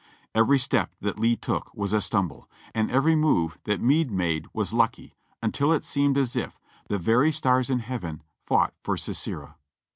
Every step that Lee took was a stumble, and every move that Meade made was lucky, until it seemed as if "the very stars in heaven fought for Sisera."